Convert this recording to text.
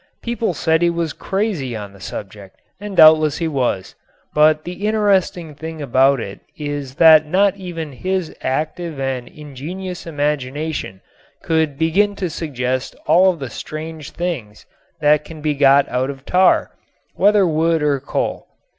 People said he was crazy on the subject, and doubtless he was, but the interesting thing about it is that not even his active and ingenious imagination could begin to suggest all of the strange things that can be got out of tar, whether wood or coal.